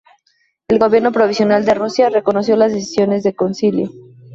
El gobierno provisional de Rusia reconoció las decisiones del concilio.